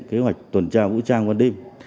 kế hoạch tuần trang vũ trang quân đêm